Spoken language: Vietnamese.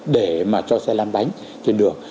để mà cho xe làm đánh trên đường